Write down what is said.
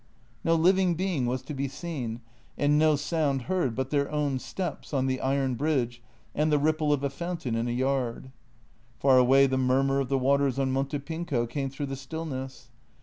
No living being was to be seen and no sound heard but their own steps on the iron bridge and the ripple of a fountain in a yard. Far away the murmur of the waters on Monte Pinco came through the stillness.